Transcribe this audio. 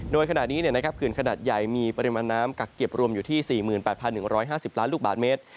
โดยขณะนี้เขื่อนขนาดใหญ่มีปริมาณน้ำกักเก็บรวมอยู่ที่๔๘๑๕๐ล้านลูกบาทเมตร